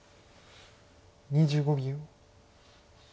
２５秒。